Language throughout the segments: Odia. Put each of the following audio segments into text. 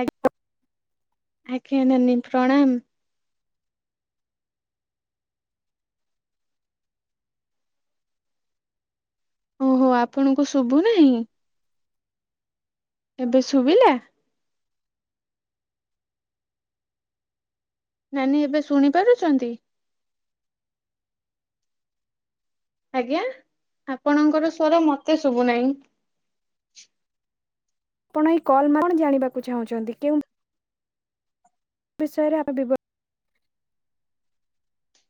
ଆଜ୍ଞ ଆଜ୍ଞ ନାନି ପ୍ରଣାମ। ଓହୋ ଆପଣଙ୍କୁ ଶୁଭୁ ନାହିଁ? ଏବେ ଶୁଭିଲା। ନାନୀ ଏବେ ଶୁଣି ପାରୁଛନ୍ତି? ଆଜ୍ଞା ଆପଣଙ୍କର ସ୍ୱର ମତେ ଶୁଭୁ ନାହିଁ। ଆପଣ ଏଇ କଲ କଣ ଜାଣିବାକୁ ଚାହୁଁଚନ୍ତି କେଉଁ ବିଷୟରେ ଆରବି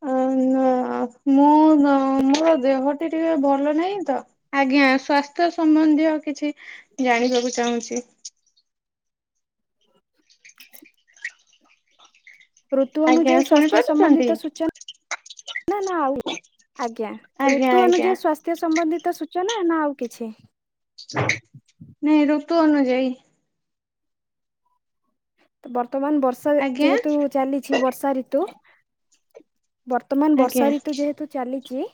ଅ ନା ମୁଁ ନା ମୋ ଦେହ ଟିକେ ଭଲ ନାହିଁ ତ ଆଜ୍ଞା ସ୍ଵାସ୍ଥ୍ୟ ସମ୍ବନ୍ଧୀୟ କିଛି ଜାଣିବାକୁ ଚାହୁଁଚି। ଋତୁ ଆଜ୍ଞା ଅନୁଯାୟୀ ଶୁଣି ସ୍ୱାସ୍ଥ୍ୟ ପାରୁଛନ୍ତି? ସମ୍ବନ୍ଧିତ ସୂଚ ନା ନା ଆଉ ଆଜ୍ଞା ଆଜ୍ଞା ଋତୁ ଆଜ୍ଞା ଅନୁଯାୟୀ ସାସ୍ଥ ସ୍ଵାସ୍ଥ୍ୟ ସମ୍ବନ୍ଧିତ ସୂଚନା ନା ଆଉ କିଛି? ନାଇଁ ଋତୁ ଅନୁଯାୟୀ। ବର୍ତ୍ତମାନ ବର୍ଷା ଆଜ୍ଞା ଯେହେତୁ ଚାଲିଛି ବର୍ଷା ଋତୁ। ବର୍ତ୍ତମାନ ଆଜ୍ଞା ବର୍ଷା ଋତୁ ଯେହେତୁ ଚାଲିଚି।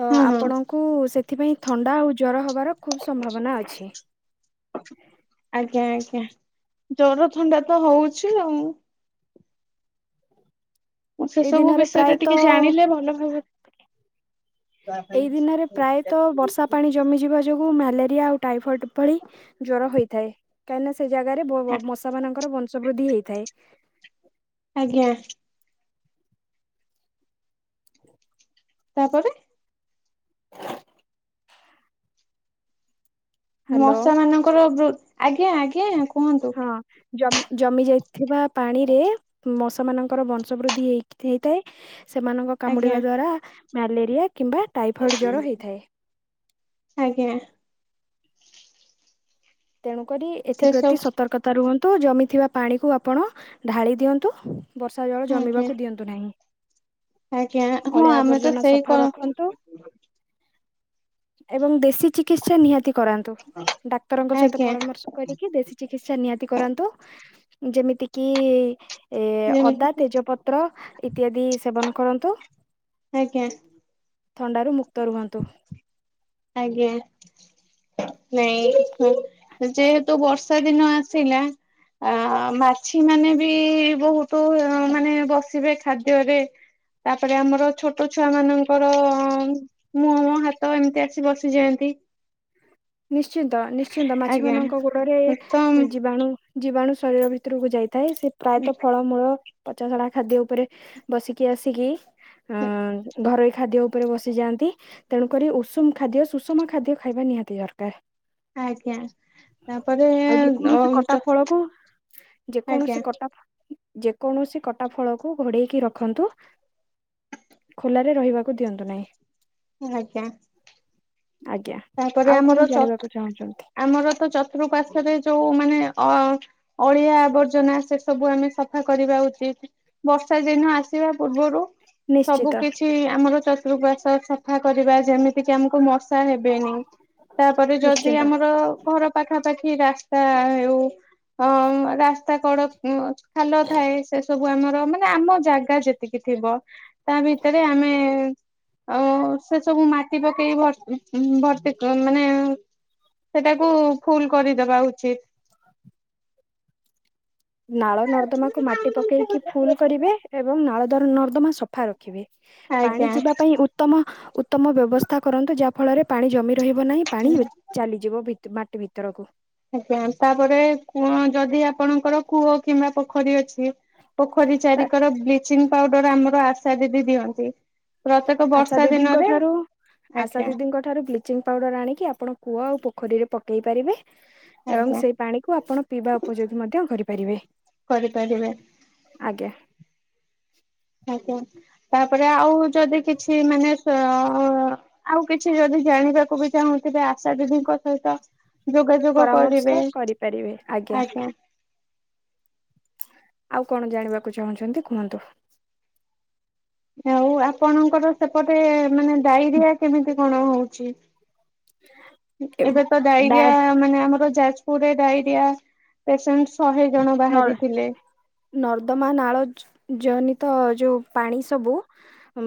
ତ ହଁ ହଁ। ଆପଣଙ୍କୁ ସେଥିପାଇଁ ଥଣ୍ଡା ଆଉ ଜର ହବାର ଖୁବ୍ ସମ୍ଭାବନା ଅଛି। ଆଜ୍ଞା ଆଜ୍ଞା ଜର ଥଣ୍ଡା ତ ହଉଛି ଆଉ। ମୁଁ ସେ ଏଇ ସବୁ ଦିନରେ ବିଷୟରେ ଟିକେ ପ୍ରାୟତଃ ଜାଣିଲେ ଭଲ ଭାବ ଏଇ ଦିନରେ ପ୍ରାୟତଃ ଡାକିବି। ବର୍ଷା ପାଣି ଜମିଯିବା ଯୋଗୁଁ ମ୍ୟାଲେରିଆ ଆଉ ଟାଇଫଏଡ଼୍ ଭଳି ଜର ହୋଇଥାଏ କାହିଁକି ନା ସେ ଜାଗାରେ ମଶା ମାନଙ୍କର ବଂଶ ବୃଦ୍ଧି ହେଇଥାଏ। ଆଜ୍ଞା। ତାପରେ ହ୍ୟାଲୋ ମଶା ମାନଙ୍କର ବୄ ଆଜ୍ଞା ଆଜ୍ଞା କୁହନ୍ତୁ। ହଁ ଜମି ଜମି ଯାଇଥିବା ପାଣିରେ ମଶା ମାନ ତାଙ୍କର ବଂଶ ବୃଦ୍ଧି ହେଇ ହେଇଥାଏ ସେମାନଙ୍କ ଆଜ୍ଞା କାମୁଡିବା ଦ୍ଵାରା ମ୍ୟାଲେରିଆ କିମ୍ବା ଟାଇଫଏଡ଼୍ ଜର ହେଇଥାଏ। ଆଜ୍ଞା। ତେଣୁକରି ସେ ଏଥିପ୍ରତି ସବୁ ସତର୍କତା ରୁହନ୍ତୁ ଜମିଥିବା ପାଣିକୁ ଆପଣ ଢାଳି ଦିଅନ୍ତୁ। ବର୍ଷା ଜଳ ଆଜ୍ଞା ଜମିବାକୁ ଦିଅନ୍ତୁ ନାହିଁ। ଆଜ୍ଞା ହଁ ଅଳିଆ ଆମେ ତ ଆବର୍ଜନା ସେଇ ସଫା କ ରଖନ୍ତୁ। ଏବଂ ଦେଶୀ ଚିକିତ୍ସା ନିହାତି କରାନ୍ତୁ ଡାକ୍ତରଙ୍କ ସହି ଆଜ୍ଞା ମର୍ଷ କରିକି ଦେଶୀ ଚିକିତ୍ସା ନିହାତି କରାନ୍ତୁ ଯେମି ତିକି ଏ ଯେମିତି ଅଦା କି ତେଜପତ୍ର ଇତ୍ୟାଦି ସେବନ କରନ୍ତୁ। ଆଜ୍ଞା। ଥଣ୍ଡାରୁ ମୁକ୍ତ ରୁହନ୍ତୁ। [inaudible] ଆଜ୍ଞା। ନାଇଁଁ ଯେହେତୁ ବର୍ଷା ଦିନ ଆସିଲା? ଆ ମାଛି ମାନେ ବି ବହୁତ ମାନେ ବସିବେ ଖାଦ୍ୟରେ ତାପରେ ଆମର ଛୋଟ ଛୁଆ ମାନଙ୍କର ମୁହଁ ହାତ ଏମିତି ଆସ ବସିଯାଆନ୍ତି। ନିଶ୍ଚିନ୍ତ ନିଶ୍ଚିନ୍ତ ମାଛି ଆଜ୍ଞା ମାନଙ୍କ ଗୋଡରେ ତ ଜୀବାଣୁ ଜୀବାଣୁ ଶରୀର ଭିତରକୁ ଯାଇଥାଏ ସେ ପ୍ରାୟତଃ ଫଳମୂଳ ପଚାଶଣା ଖାଦ୍ୟ ଉପରେ ବସିକି ଆସିକି ଅ ଘରୋଇ ଖାଦ୍ୟ ଉପରେ ବସିଯାଆନ୍ତି ତେଣୁକରି ଉଷୁମ ଖାଦ୍ୟ ସୁଷମ ଖାଦ୍ୟ ଖାଇବା ନିହାତି ଦରକାର। ଆଜ୍ଞା ତାପରେ ଆଉ ଯେକୌଣସି କଟା ଅମ୍ଚ ଫଳକୁ ଯେକୌଣସି କଟା [inaudible] ଯେକୌଣସି କଟା ଫଳକୁ ଘୋଡେଇକି ରଖନ୍ତୁ। ଖୋଲାରେ ରହିବାକୁ ଦିଅନ୍ତୁ ନାହିଁ। ଆଜ୍ଞା। ଆଜ୍ଞା। ତାପରେ ଆଉ କଣ ଆମର ଜାଣିବାକୁ ଚତ୍ରୁ- ଚାହୁଁଛନ୍ତି ଆମର ତ ଚତୁଃପାର୍ଶ୍ଵରେ ଯୋଉ ମାନେ ଅ, ଅଳିଆ ଆବର୍ଜନା ସେ ସବୁ ଆମେ ସଫା କରିବା ଉଚିତ। ବର୍ଷା ଦିନ ଆସିବା ପୂର୍ବରୁ ନିଶ୍ଚିତ ସବୁ କିଛି ଆମର ଚତୁପାର୍ଶ୍ଵ ସଫା କରିବା ଯେମିତି କି ଆମକୁ ମଶା ହେ [unintelligible] ତାପରେ ଯଦି ନିଶ୍ଚିନ୍ତ। ଆମର ଘର ପାଖାପାଖି ରାସ୍ତା ହେଉ ହଁ ରାସ୍ତା କଡ [unintelligible] ଖାଲ ଥାଏ ସେ ସବୁ [inaudible] ବୁ ଆମର ମାନେ ଆମ ଜାଗା ଯେତିକି ଥିବ ତା ଭିତରେ ଆମେ ଆଉ ସେ ସବୁ ମାଟି ପକେଇକି [unintelligible] ଉଁ, ଭର୍ତ୍ତି କ-ମାନେ ସେଟାକୁ ଫୁଲ୍ କରିଦବା ଉଚିତ। ନାଳ ନର୍ଦମାକୁୁ ମାଟି ପକେଇକି ଫୁଲ୍ କରିବେ ଏବଂ ନାଳ ଦର୍ ନର୍ଦମା ସଫା ର ଖିବେ, ପାଣି ଯିବା ଆଜ୍ଞା। ପାଇଁ ଉତ୍ତମ ଉତ୍ତମ ବ୍ୟବସ୍ଥା କରନ୍ତୁ ଯାହା ଫଳରେ ପାଣି ଜମି ରହିବ ନାହିଁ ପାଣି [unintelligible] ଚାଲିଯିବ ଭିତ-ମାଟି ଭିତରକୁ। ଆଜ୍ଞା ତାପରେ କୂଅଁ ଯଦି ଆପଣଙ୍କର କୂଅ କିମ୍ବା ପୋଖରୀ ଅଛ ଛି, ପୋଖରୀ ଚାରିିକର ବ୍ଲିଚିଂ ପାଉଡର ଆମର ଆଶା ଦିଦି ଦିଅନ୍ତି। ପ୍ରତ୍ୟେକ ଆଶା ବର୍ଷା ଦିଦିଙ୍କ ଦିନରେ ଠାରୁ ଆଶା ଆଜ୍ଞା ଦିଦିଙ୍କ ଠାରୁ ବ୍ଲିଚିଂ ପାଉଡର ଆଣିକି ଆପଣ କୂଅ ଆଉ ପୋଖରୀରେ ପକେଇ ପାରିବେ। ଏବଂ ଆଜ୍ଞା ସେଇ ପାଣିକୁୁ ଆପଣ ପିଇବା ଉପଯୋଗୀ ମଧ୍ୟ କରିପାରିବେ। କରିପାରିବେ। ଆଜ୍ଞା। ଆଜ୍ଞା ତାପରେ ଆଉ ଯଦି କିଛି ମାନେ ସେ ଆଉ ଆ ଆଉ କିଛି ଯଦି ଜାଣିବାକୁ ବି ଚାହୁଁଥିବେ ଆଶା ଦିଦିଙ୍କ ସହିତ ଯୋଗାଯୋଗ ପରାମର୍ଶ କରିବେ। କରିପାରିବେ ଆଜ୍ଞା। ଆଉ କଣ ଜାଣିବାକୁ ଚାହୁଁଛନ୍ତି କୁହନ୍ତୁ? ଆଉ ଆପଣଙ୍କର ସେପଟେ ମାନେ ଡାଇରିଆ କେମିତି କଣ ହଉଛି? ଏବେ ତ ଡା ଡାଇରିଆ ମାନେ ଆମର ଯାଜପୁରରେ ଡାଇରିଆ ପେସେଣ୍ଟ ଶହେ ଜଣ ନଳ ବାହାରିଥିଲେ। ନର୍ଦ୍ଦମା ନାଳ ଜ-ଜନିତ ଯୋଉ ପାଣି ସବୁ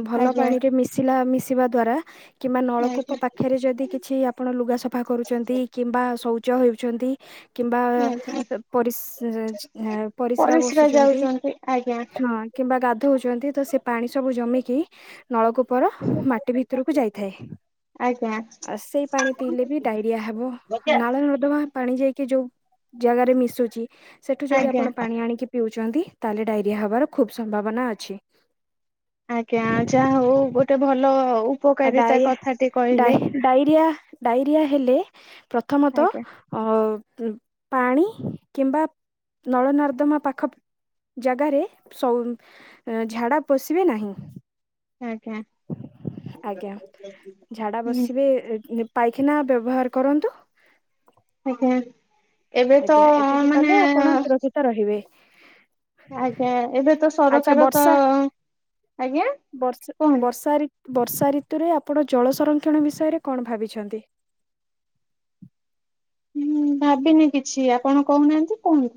ଭଲ ଆଜ୍ଞା ପାଣିରେ ମିଶିଲା ମିଶିବା ଦ୍ଵାରା କିମ୍ବା ଆଜ୍ଞା। ନଳକୂପ ପାଖରେ ଯଦି କିଛି ଆପଣ ଲୁଗା ସଫା କରୁଛନ୍ତି କିମ୍ବା ଶୌଚ ହେଉଛନ୍ତି। କିମ୍ବା ଅ, ଆଜ୍ଞା ଏ ପରିସ୍ ଏଚ୍ ହେ ପରିସ୍ରା ବସୁଚନ୍ତି ଯାଉଛନ୍ତି ଆଜ୍ଞା ଛୁଆ ହଁ କିମ୍ବା ଗାଧଉଛନ୍ତି ତ ସେ ପାଣି ସବୁ ଜମିକି ନଳକୂପର ମାଟି ଭିତରକୁ ଯାଇଥାଏ। ଆଜ୍ଞା ଆ, ସେଇ ପାଣି ପିଇଲେ ବି ଡାଇରିଆ ହେବ। ନାଳ ନର୍ ଦମା ପାଣି ଯାଇକି ଯୋଉ ଜାଗାରେ ମିଶୁଛି। ସେଠୁ ଯଦି ଆଜ୍ଞା। ଆପଣ ପାଣି ଆଣିକି ପିଉଚନ୍ତି ତାହେଲେ ଡାଇରିଆ ହେବାର ଖୁବ୍ ସମ୍ଭାବନା ଅଛି। ଆଜ୍ଞା ଯାହା ହଉ ଗୋଟେ ଭଲ ଆ ଉପକାରିତା ଡାଇରିଆ କଥାଟି କହିଲେ। ଡାଇ ଡାଇରିଆ, ଡାଇରିଆ ହେଲେ ପ୍ରଥମତ ଆଜ୍ଞା। ଆଉ ପୁଁ-ପାଣି କିମ୍ବା ନଳ ନର୍ଦ୍ଦମା ପାଖ ଜାଗାରେ ସ-ଝାଡ଼ା ପଶିବେ ନାହିଁ। ଆଜ୍ଞା। ଆଜ୍ଞା ଝାଡା ହୁଁ ବସିବେ ପାଇଖେନା ବ୍ୟବହାର କରନ୍ତୁ। ଆଜ୍ଞା ଏବେ ତ ଆଜ୍ଞା ଏତିକି କଲେ ମାନେ ଆପଣ ସୁରକ୍ଷିତ ରହିବେ। ଆଜ୍ଞା ଏବେ ତ ଆଚ୍ଛା ସରକାର ବର୍ଷା ତ-ଆଜ୍ଞା, ବର୍ଷା କୁହନ୍ତୁ। ବର୍ଷା ଋ ବର୍ଷା ଋତୁରେ ଆପଣ ଜଳ ସଂରକ୍ଷଣ ବିଷୟରେ କଣ ଭାବିଛନ୍ତି? ହୁଁ ଭାବିନି କିଛି ଆପଣ କହୁନାହାନ୍ତି କୁହନ୍ତୁ।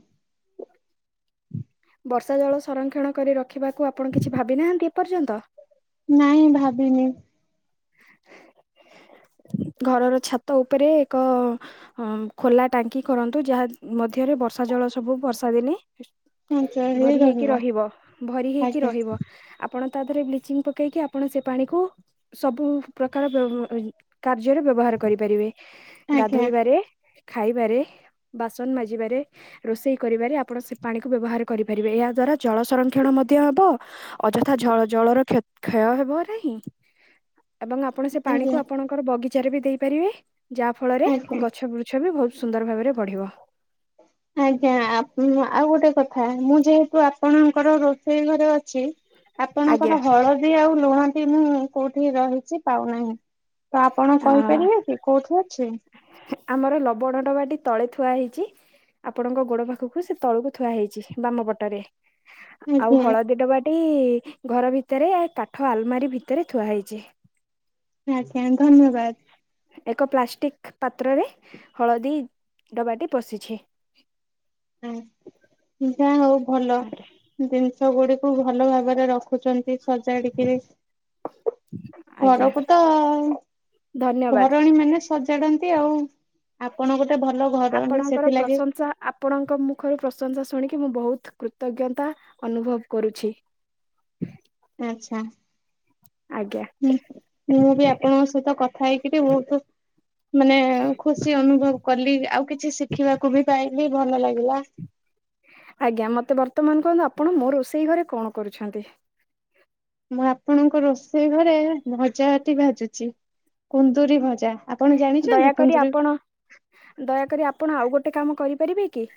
ବର୍ଷା ଜଳ ସଂରକ୍ଷଣ କରି ରଖିବାକୁ ଆପଣ କିଛି ଭାବି ନାହାନ୍ତି ଏପର୍ଯ୍ୟନ୍ତ? ନାଇଁ ଭାବିନି। ଘରର ଛାତ ଉପରେ ଏକ ହଁ ଖୋଲା ଟାଙ୍କି କରନ୍ତୁ ଯାହା ମଧ୍ୟରେ ବର୍ଷା ଜଳ ସବୁ ବର୍ଷା ଦିନେ ସଞ୍ଚୟ ହେଇ ଭରି ହେଇକି ରହିବ ଭରି ହେଇକି ଆଜ୍ଞା। ରହିବ। ଆପଣ ତା ଦେଏରେ ବ୍ଲିଚିଂ ପକେଇକି ଆପଣ ସେ ପାଣିକୁ ସବୁ ପ୍ରକାର ଵ୍ୟ- କାର୍ଯ୍ୟରେ ବ୍ୟବହାର କରିପାରିବେ ଆଜ୍ଞା ଗାଧୋଇବାରେ ଖାଇବାରେ ବାସନ ମାଜିିବାରେ ରୋଷେଇ କରିବାରେ ଆପଣ ସେ ପାଣିକୁ ବ୍ୟବହାର କରିପାରିବେ ଏହା ଦ୍ଵାରା ଜଳ ସଂରକ୍ଷଣ ମଧ୍ୟ ହବ ଅଯଥା ଝ- ଜଳର କ୍ଷ- କ୍ଷୟ ହେବ ନାହିଁ। ଏବଂ ଆପଣ ସେ ଆଜ୍ଞା ପାଣିକୁ ଆପଣଙ୍କର ବଗିଚାରେ ବି ଦେଇପାରିବେ ଯାହା ଫଳରେ ଆଜ୍ଞା। ଗଛ ବୃ ଗଛ ବି ବହୁତ ସୁନ୍ଦର ଭାବରେ ବଢ଼ିବ। ଆଜ୍ଞା ଆପ ଆଉ ଗୋଟେ କଥା ମୁଁ ଯେହେତୁ ଆପଣଙ୍କର ରୋଷେଇ ଘରେ ଅଛି ଆପଣଙ୍କର ଆଜ୍ଞା ହଳଦୀ ଆଉ ଲୁଣ ଟି ମୁଁ କୋଉଠି ରହିଚି ପାଉନାହିଁ। ତ ଆପଣ କହିପାରିବେ କି କୋଉଠି ଅଛି? ଆମର ଲବଣ ଡବାଟି ତଳେ ଥୁଆହେଇଚି। ଆପଣଙ୍କ ଗୋଡ ପାଖକୁ ସେ ତଳକୁ ଥୁଆହେଇଚି ବାମ ପଟରେ ଆଉ ଆଜ୍ଞା ହଳଦୀ ଡବା ଇ ଘର ଭିତେରେ କାଠ ଆଲମାରି ଭିତରେ ଥୁଆହେଇଚି। ଆଜ୍ଞା ଧନ୍ୟବାଦ୍। ଏକ ପ୍ଲାଷ୍ଟିକ୍ ପାତ୍ରରେ ହଳଦୀ ଡବାଟି ପଶିଛି। ହଁ ଯା ହଉ ଭଲ। ଜିନିଷ ଗୁଡିକୁ ଭଲ ଭାବରେ ରଖୁଛନ୍ତି ସଜାଡିକିରି। ଆଜ୍ଞା ଘରକୁ ତ ଧନ୍ୟବାଦ। ଘରଣୀ ମାନେ ସଜାଡନ୍ତି ଆଉ। ଆପଣ ଗୋଟେ ଭଲ ଘରଣୀ ଆପଣଙ୍କର ସେଥିଲାଗି [unintelligible] ଆପଣଙ୍କ ମୁଖରୁ ପ୍ରଶଂସା ଶୁଣିକି ମୁଁ ବହୁତ୍ କୃତଜ୍ଞତା ଅନୁଭବ କରୁଛି। [inaudible] ଆଚ୍ଛା, ଆଜ୍ଞା ମୁଁ -ମୁଁ ବି ଆପ ଏମାନଙ୍କ ସହିତ କଥା ହେଇକିରି ବହୁତୁ ମାନେ ଖୁସି ଅନୁଭବ୍ କଲି ଆଉ କିଛି ଶିଖିବାକୁ ବି ପାଇଲି ଭଲ ଲାଗିଲା। ଆଜ୍ଞା ମତେ ବର୍ତ୍ତମାନ କୁହନ୍ତୁ ଆପଣ ମୋ ରୋଷେଇ ଘରେ କଣ କରୁଛନ୍ତି? ମୁଁ ଆପଣଙ୍କ ରୋଷେଇ ଘରେ ଭଜାଟି ଭାଜୁଚି କୁନ୍ଦୁରି ଭଜା। ଆପଣ ଜାଣିଚନ୍ତି ଦୟାକରି କୁନ୍ଦୁରି ଆପଣ ଦୟାକରି ଆପଣ ଆଉ ଗୋଟେ କାମ କରିପାରିବେ କି?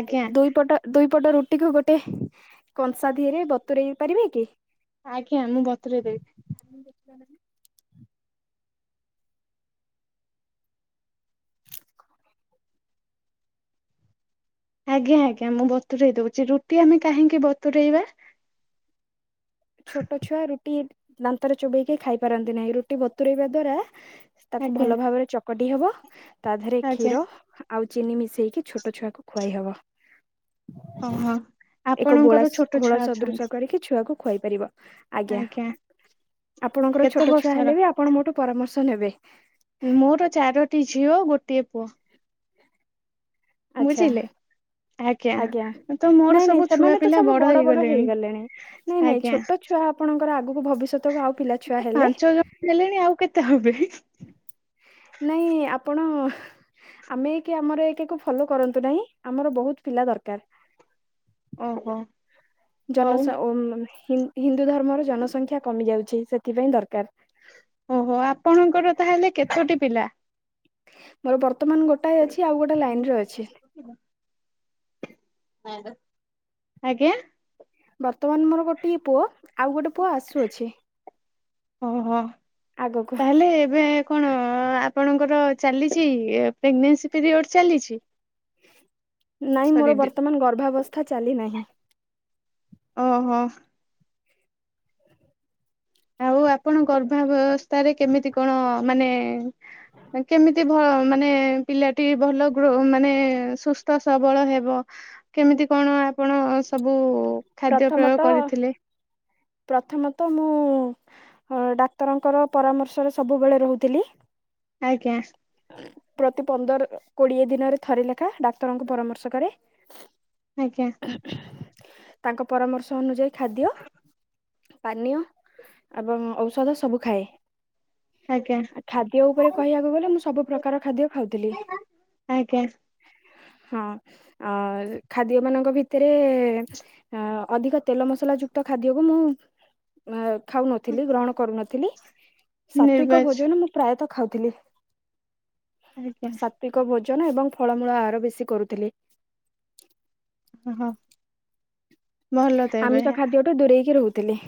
ଆଜ୍ଞା। ଦୁଇ ପଟ ଦୁଇ ପଟ ରୁଟିକୁ ଗୋଟେ କଂସାଧିଏରେ ବତୁରେଇ ପାରିବେ କି? ଆଜ୍ଞା। ମୁଁ ବତୁରେଇ ଦେବି। [inaudible] ଆଜ୍ଞା ଆଜ୍ଞା ମୁଁ ବତୁରେଇ ଦଉଛି, ରୁଟି ଆମେ କାହିଁକି ବତୁରେଇବା? ଛୋଟ ଛୁଆ ରୁଟି ଦାନ୍ତରେ ଚୋବେଇକି ଖାଇ ପାରନ୍ତି ନାହିଁ। ରୁଟି ବତୁରେଇବା ଦ୍ଵାରା ତାକୁ ଆଜ୍ଞା। ଭଲ ଭାବରେ ଚକଟି ହବ ତା ଦେହରେ ଆଜ୍ଞା କ୍ଷୀର ଆଉ ଚିନି ମିଶେଇକି ଛୋଟ ଛୁଆକୁ ଖୁଆଇ ହବ। ଓହୋ ଏକ ଆପଣଙ୍କର ଗୋଳାସ୍‌ ଛୋଟ ଘୋଳ ଛୁଆ ସଦୃଶ ଅଛନ୍ତି କରିକି ଛୁଆକୁ ଖୁଆଇ ପାରିବ। ଆଜ୍ଞା। ଆପଣଙ୍କର କେତେ ଛୋଟ ଛୁଆ ବର୍ଷର? ହେଲେ ବି ଆପଣ ମୋଠୁ ପରାମର୍ଶ ନେବେ। ମୋର ଚାରୋଟି ଝିଅ ଗୋଟିଏ ପୁଅ। ଆଚ୍ଛା ବୁଝିଲେ ଆଜ୍ଞା। ତ ମୋର ନାଇଁ ନାଇଁ ସବୁ ସେମାନେ ତ ଛୁଆପିଲା ସବୁ ବଡ ହେଇଗଲେଣି। ନାଇଁ ନାଇଁ ଆଜ୍ଞା ଛୋଟ ଛୁଆ ଆପଣଙ୍କର ଆଗକୁ ଭବିଷ୍ୟତକୁ ଆଉ ପିଲାଛୁଆ ହେଲେ ପାଞ୍ଚ ଜଣ ହେଲେଣି ଆଉ କେତେ ହେବେ? ନାଇଁ ଆପଣ? ଆମେ ଏକ ଆମର ଏକ କୁ ଫଲୋ କରନ୍ତୁ ନାହିଁ- ଆମର ବହୁତ ପିଲା ଦରକାର। ଓହୋ। ହଉ ଜନସ ଓମ ହିନ୍ଦୁ ଧର୍ମର ଜନସଂଖ୍ୟା କମି ଯାଉଛି, ସେଥିପାଇଁ ଦରକାର। ଓହୋ ଆପଣଙ୍କର ତାହେଲେ କେତୋଟି ପିଲା? ମୋର ବର୍ତ୍ତମାନ ଗୋଟାଏ ଅଛି ଆଉ ଗୋଟେ ଲାଇନ ରେ ଅଛି। ଆଜ୍ଞା। ବର୍ତ୍ତମାନ ମୋର ଗୋଟଏ ପୁଅ ଆଉ ଗୋଟେ ପୁଅ ଆସୁଅଛି। ଓହୋ! ଆଗକୁ ତାହେଲେ ଏବେ କଣ ଆପଣଙ୍କର ଚାଲିଛି ପ୍ରେଗନେନ୍ସି ପିରିୟଡ଼ ଚାଲିଛି? ନାଇଁ ସରି ମୋର ବର୍ତ୍ତମାନ ଗର୍ଭାବସ୍ଥା ଚାଲିନାହିଁ। ଓହୋ। ଆଉ ଆପଣ ଗର୍ଭାବସ୍ଥାରେ କେମିତି କଣ ମାନେ କେମିତି ଭ ମାନେ ପିଲାଟି ଭଲ ଗ୍ରୋ ମାନେ ସୁସ୍ଥ ସବଳ ହେବ? କେମିତି କଣ ଆପଣ ସବୁ ଖାଦ୍ୟ ପ୍ରୟ ପ୍ରଥମତଃ କରିଥିଲେ? ପ୍ରଥମତଃ ମୁଁ ହଁ, ଡାକ୍ତରଙ୍କର ପରାମର୍ଶରେ ସବୁବେଳେ ରହୁଥିଲି। ଆଜ୍ଞା। ପ୍ରତି ପନ୍ଦର କୋଡିଏ ଦିନରେ ଥରେ ଲେଖା ଡାକ୍ତରଙ୍କୁ ପରାମର୍ଶ କରେ। ଆଜ୍ଞା। [inaudible] ତାଙ୍କ ପରାମର୍ଶ ଅନୁଯାଇ ଖାଦ୍ୟ ପାନିୟ ଏବଂ ଔଷଧ ସବୁ ଖାଏ। ଆଜ୍ଞା। ଖାଦ୍ୟ ଉପରେ କହିବାକୁ ଗଲେ! ମୁଁ ସବୁ ପ୍ରକାର ଖାଦ୍ୟ ଖାଉଥିଲି। ଆଜ୍ଞା ହଁ ଖାଦ୍ୟ ମାନଙ୍କ ଭିତରେ ଆ ଅଧିକ ତେଲ ମସଲା ଯୁକ୍ତ ଖାଦ୍ୟକୁ ମୁଁ ଅ ଖାଉନଥିଲି ଗ୍ରହଣ କରୁନଥିଲି ସାତ୍ଵିକ ନିର୍ବାଚ ଭୋଜନ ମୁଁ ପ୍ରାୟତଃ ଖାଉଥିଲି। ଆଜ୍ଞା। ସାତ୍ଵିକ ଭୋଜନ ଏବଂ ଫଳମୂଳ ଆହର ବେଶୀ କରୁଥିଲି। ଓ ହ। ଆମିଷ ଖାଦ୍ୟଠୁ ଦୂରେଇକି ରହୁଥିଲି।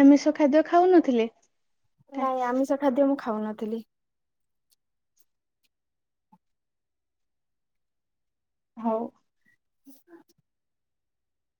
ଆମିଷ ଖାଦ୍ୟ ଖାଉନଥିଲେ? ନାଇଁ ଆମିଷ ଖାଦ୍ୟ ମୁଁ ଖାଉନଥିଲି। ହଉ।